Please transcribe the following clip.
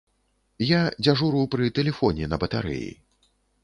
Я дзяжуру пры тэлефоне на батарэі.